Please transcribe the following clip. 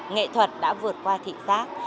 nghệ thuật đã vượt qua thị giác